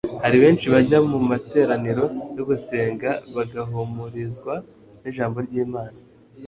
Hari benshi bajya mu materaniro yo gusenga bagahumurizwa n'Ijambo ry'Imana,